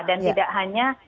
dan tidak hanya